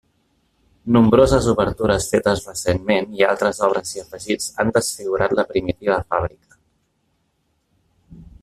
Nombroses obertures fetes recentment i altres obres i afegits han desfigurat la primitiva fàbrica.